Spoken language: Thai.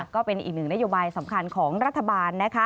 ก็เป็นอีกหนึ่งนโยบายสำคัญของรัฐบาลนะคะ